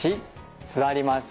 座ります。